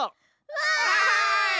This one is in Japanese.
わい！